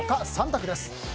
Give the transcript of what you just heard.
３択です。